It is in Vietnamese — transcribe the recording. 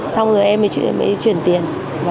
xong rồi em mới chuyển tiền